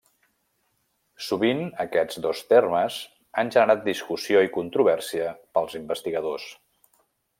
Sovint aquests dos termes han generat discussió i controvèrsia pels investigadors.